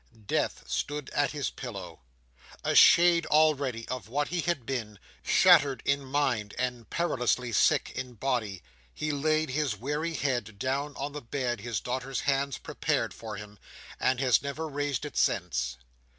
Death stood at his pillow. A shade, already, of what he had been, shattered in mind, and perilously sick in body, he laid his weary head down on the bed his daughter's hands prepared for him, and had never raised it since.